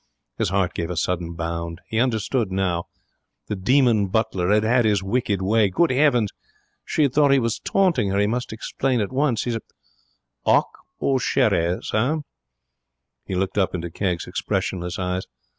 His heart gave a sudden bound. He understood now. The demon butler had had his wicked way. Good heavens! She had thought he was taunting her! He must explain at once. He 'Hock or sherry, sir?' He looked up into Kegg's expressionless eyes.